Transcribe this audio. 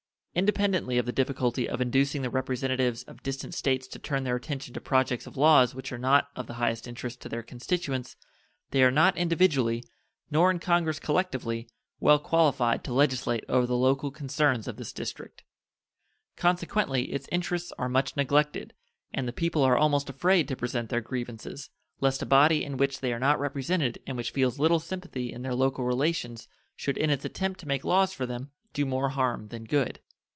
Independently of the difficulty of inducing the representatives of distant States to turn their attention to projects of laws which are not of the highest interest to their constituents, they are not individually, nor in Congress collectively, well qualified to legislate over the local concerns of this District. Consequently its interests are much neglected, and the people are almost afraid to present their grievances, lest a body in which they are not represented and which feels little sympathy in their local relations should in its attempt to make laws for them do more harm than good.